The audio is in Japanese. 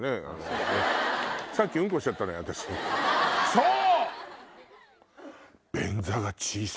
そう！